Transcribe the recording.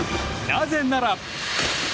なぜなら。